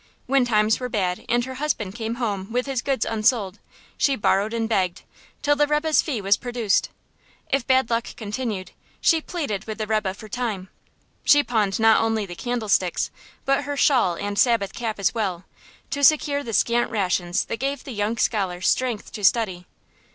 When times were bad, and her husband came home with his goods unsold, she borrowed and begged, till the rebbe's fee was produced. If bad luck continued, she pleaded with the rebbe for time. She pawned not only the candlesticks, but her shawl and Sabbath cap as well, to secure the scant rations that gave the young scholar strength to study.